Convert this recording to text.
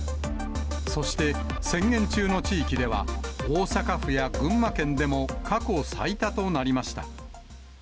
そして、宣言中の地域では大阪府や群馬県でも、過去最多となりました。